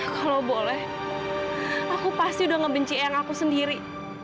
kalau boleh aku pasti udah ngebenci yang aku sendiri